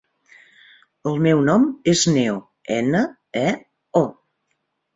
El meu nom és Neo: ena, e, o.